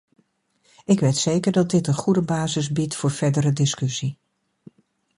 Ik weet zeker dat dit een goede basis biedt voor verdere discussie.